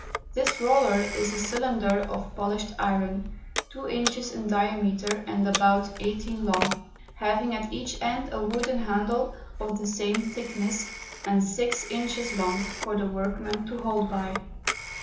This Roller is a Cylinder of polish'd Iron, two Inches in diameter, and about eighteen long, having at each End a wooden Handle of the same Thickness, and six Inches long, for the Workman to hold by.